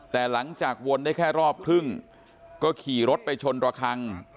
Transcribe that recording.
แต่หลังจากวนได้แค่รอบครึ่งก็ขี่รถไปชนระคัง